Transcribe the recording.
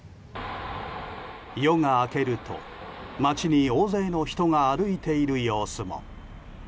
夜が明けると、街に大勢の人が歩いている様子も。